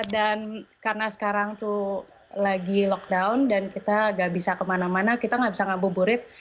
dan karena sekarang itu lagi lockdown dan kita nggak bisa kemana mana kita nggak bisa ngabur burit